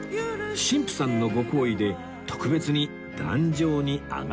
神父さんのご厚意で特別に壇上に上がらせてもらう事に